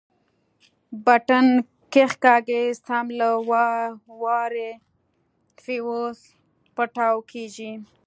بټن کښېکاږي سم له وارې فيوز پټاو کېږي.